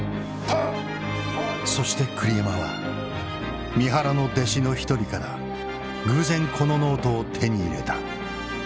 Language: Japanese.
そして栗山は三原の弟子の一人から偶然このノートを手に入れた。